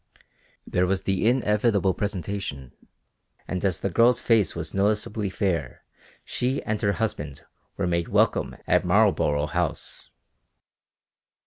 There was the inevitable presentation and as the girl's face was noticeably fair she and her husband were made welcome at Marlborough House.